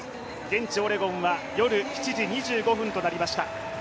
現地オレゴンは夜７時２５分となりました。